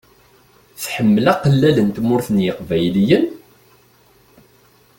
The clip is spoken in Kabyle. Tḥemmel aqellal n Tmurt n yeqbayliyen?